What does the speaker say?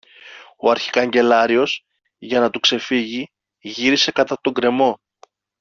ο αρχικαγκελάριος, για να του ξεφύγει, γύρισε κατά τον γκρεμό